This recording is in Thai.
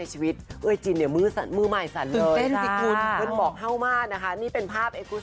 เชื่อเลยว่าครั้งแรก